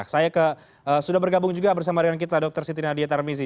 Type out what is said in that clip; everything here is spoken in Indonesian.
saya sudah bergabung juga bersama dengan kita dr siti nadia tarmizi